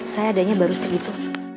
saya adanya baru segitu